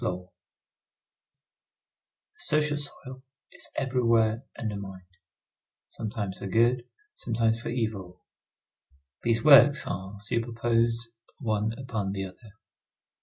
The social soil is everywhere undermined, sometimes for good, sometimes for evil. These works are superposed one upon the other.